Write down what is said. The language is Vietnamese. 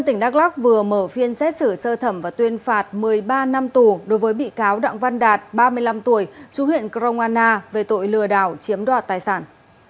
tỉnh đắk lắc vừa mở phiên xét xử sơ thẩm và tuyên phạt một mươi ba năm tù đối với bị cáo đặng văn đạt ba mươi năm tuổi chú huyện crong anna về tội lừa đảo chiếm đoạt tài sản